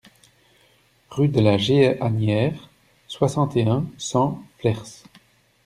Rue de la Jéhannière, soixante et un, cent Flers